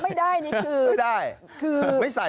ไม่ได้นี่คือ